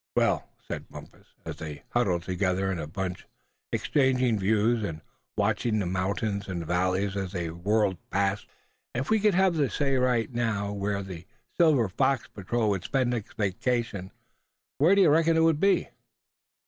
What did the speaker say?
"Well," said Bumpus, as they huddled together in a bunch, exchanging views and watching the mountains and valleys as they were whirled past, "if we could have the say right now where the Silver Fox Patrol would spend next vacation, where d'ye reckon it would be?"